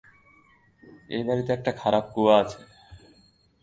এই বাড়িতে একটা খারাপ কুয়া আছে।